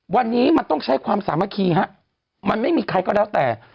วันนี้มันต้องใช้ความสามัคคีฮะมันไม่มีใครก็แล้วแต่